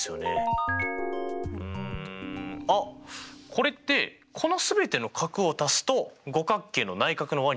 これってこの全ての角を足すと五角形の内角の和になるってことですか？